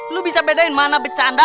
lu bisa bedain mana bercanda